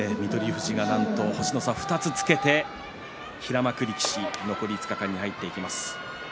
富士がなんと星の差２つつけて平幕力士、残り５日間に入っていきます。